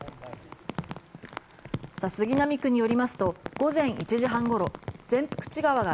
杉並区によりますと午前１時半ごろ善福寺川が